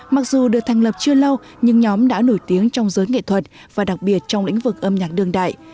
mặc dù được thành lập chưa lâu nhưng nhóm đã nổi tiếng trong giới nghệ thuật và đặc biệt trong lĩnh vực âm nhạc đương đại